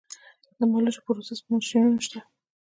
د مالوچو پروسس ماشینونه شته